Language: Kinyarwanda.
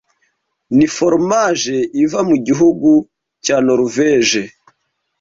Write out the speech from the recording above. ni foromaje iva mu gihugu cya Noruveje